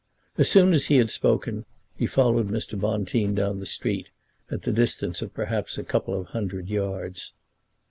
As soon as he had spoken, he followed Mr. Bonteen down the street, at the distance of perhaps a couple of hundred yards.